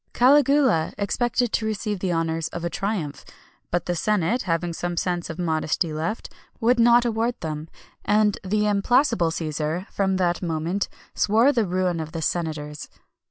Caligula expected to receive the honours of a triumph; but the senate, having some sense of modesty left, would not award them, and the implacable Cæsar, from that moment, swore the ruin of the senators.